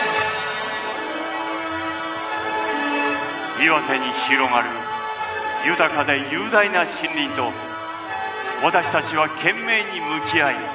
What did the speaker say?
岩手に広がる豊かで雄大な森林と私たちは懸命に向き合い